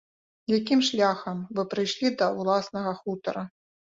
Якім шляхам вы прыйшлі да ўласнага хутара?